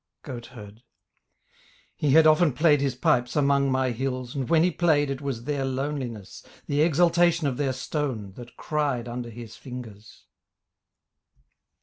GOATHERD He had often played his pipes among my hills And when he played it was their loneliness, The exultation of their stone, that cried Under his fingers.